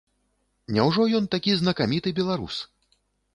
Няўжо ён такі знакаміты беларус?